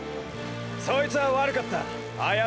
そいつは悪かった謝るよ。